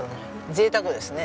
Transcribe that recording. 贅沢ですね。